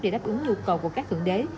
để đáp ứng nhu cầu của các thượng đế